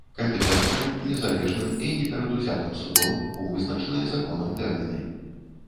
Кампетэнтным, незалежным і непрадузятым судом у вызначаныя законам тэрміны.